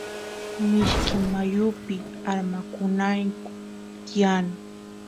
mishki mayupi armakunayku tiyan